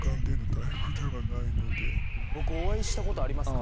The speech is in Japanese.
僕お会いしたことありますか？